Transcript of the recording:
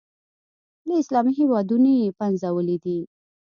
له اسلامي هېوادونو یې پنځولي دي.